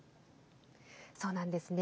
そうなんですね。